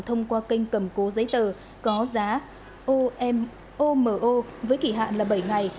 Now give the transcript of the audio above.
thông qua kênh cầm cố giấy tờ có giá omo với kỷ hạn là bảy mươi năm